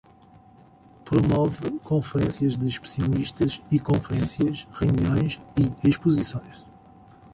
Promove conferências de especialistas e conferências, reuniões e exposições.